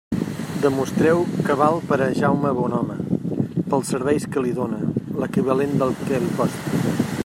Demostreu que val per a Jaume Bonhome, pels serveis que li dóna, l'equivalent del que li costa.